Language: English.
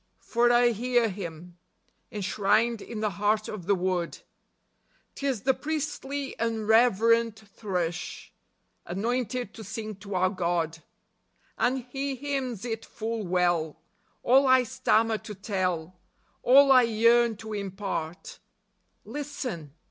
For I hear him — Enshrined in the heart of the wood : 'T is the priestly and reverent thrush, Anointed to sing to our God : And he hymns it full well, All I stammer to tell, All I yearn to impart. Listen